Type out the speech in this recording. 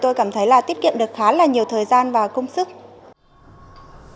tôi cảm thấy là tiết kiệm được khá là nhiều thời gian và công sức